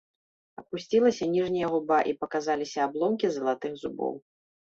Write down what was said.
Апусцілася ніжняя губа, і паказаліся абломкі залатых зубоў.